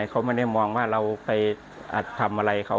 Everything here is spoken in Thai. เขาไม่ได้มองว่าเราไปทำอะไรเขา